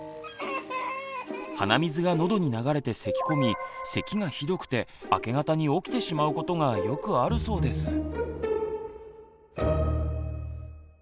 鼻水がのどに流れてせきこみせきがひどくて明け方に起きてしまうことがよくあるそうです。